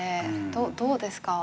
どうですか？